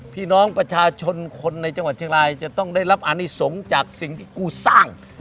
พี่น้องประชาชนคนในจังหวัดเชียงรายจะต้องได้รับอานิสงฆ์จากสิ่งที่กูสร้าง